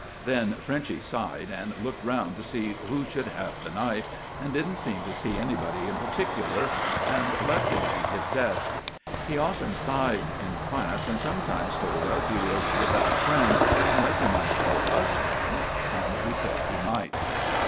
Then Frenchy sighed, and looked round to see who should have the knife, and didn't seem to see anybody in particular, and left it on his desk. He often sighed in class, and sometimes told us he was without friends, unless he might call us friends; and we said he might.